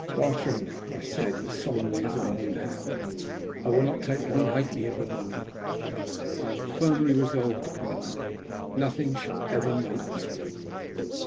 "Bartrand," I said, as solemnly as I knew how, "I will not take one halfpenny of the money. I am firmly resolved upon that. Nothing shall ever make me."